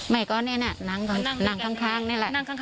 แม่ก็นี่น่ะนั่งข้างนี่แหละ